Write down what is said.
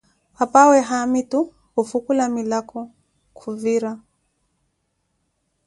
Papawe haamitu kufwukulah milako khuvira.